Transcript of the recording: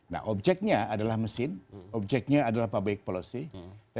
nah objeknya adalah mesin objeknya adalah public policy